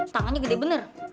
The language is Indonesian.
tangannya gede bener